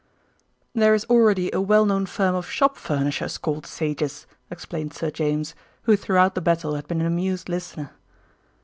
"There is already a well known firm of shop furnishers called 'Sage's,'" explained Sir James, who throughout the battle had been an amused listener.